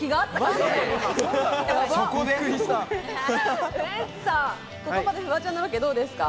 ウエンツさん、ここまでフワちゃんのロケどうですか？